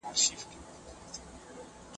خپل کارونه به په مسوولیت سره سرته رسوئ.